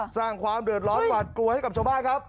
สร้างความเดือดร้อนหวาดกลัวให้กับชาวบ้านครับ